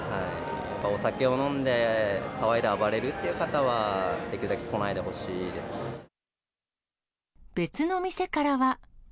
お酒を飲んで騒いで暴れるっていう方は、できるだけ来ないでほし別の店からは。